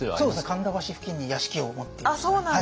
神田橋付近に屋敷を持っていましたね。